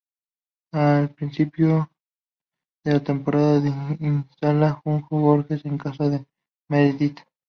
Al principio de la temporada se instala, junto con George, en casa de Meredith.